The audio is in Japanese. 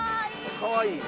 かわいい。